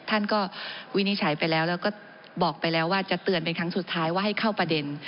ท่านก็วินิจฉัยไปแล้วแล้วก็บอกไปแล้วว่าจะเตือนเป็นครั้งสุดท้ายว่าให้เข้าประเด็น